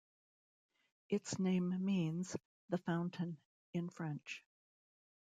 Its name means "The Fountain" in French.